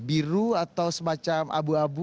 biru atau semacam abu abu